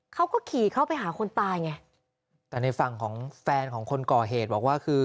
เขาก็ขี่เข้าไปหาคนตายไงแต่ในฝั่งของแฟนของคนก่อเหตุบอกว่าคือ